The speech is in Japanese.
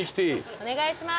お願いします。